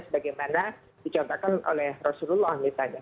sebagaimana dicontohkan oleh rasulullah misalnya